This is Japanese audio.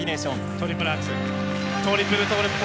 トリプルアクセルトリプルトーループ。